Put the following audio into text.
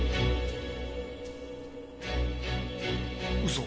嘘！